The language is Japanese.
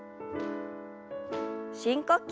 深呼吸。